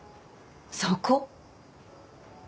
そこ？